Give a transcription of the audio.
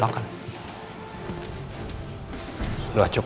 bapak ini percaya